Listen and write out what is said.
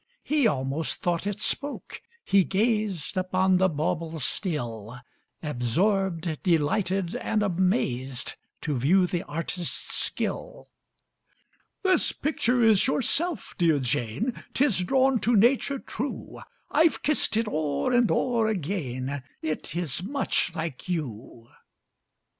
He almost thought it spoke: he gazed Upon the bauble still, Absorbed, delighted, and amazed, To view the artist's skill. "This picture is yourself, dear Jane 'Tis drawn to nature true: I've kissed it o'er and o'er again, It is much like you."